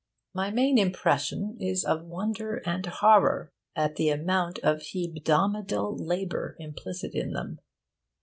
My main impression is of wonder and horror at the amount of hebdomadal labour implicit in them.